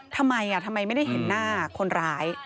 ทำไมทำไมไม่ได้เห็นหน้าคนร้าย